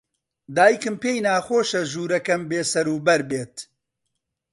دایکم پێی ناخۆشە ژوورەکەم بێسەروبەر بێت.